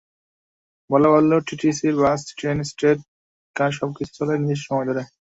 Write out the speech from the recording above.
বলাবাহুল্য, টিটিসির bus, train, street car সবকিছু চলে নির্দিষ্ট সময় ধরে।